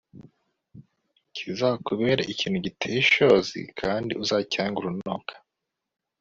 Kizakubere ikintu giteye ishozi kandi uzacyange urunuka,